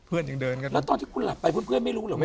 แล้วตอนที่คุณหลับไปเพื่อนไม่รู้เหรอ